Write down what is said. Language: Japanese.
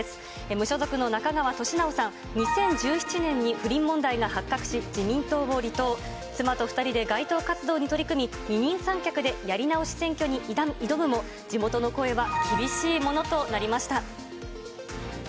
無所属の中川俊直さん、２０１７年に不倫問題が発覚し、自民党を離党、妻と２人で街頭活動に取り組み、二人三脚でやり直し選挙に挑むも、地元の声は厳しいものとなりました。